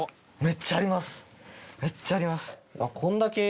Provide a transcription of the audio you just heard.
めっちゃあります！